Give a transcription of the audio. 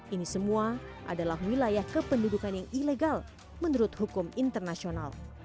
ini semua adalah wilayah kependudukan yang ilegal menurut hukum internasional